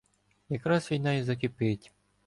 Якраз війна і закипить.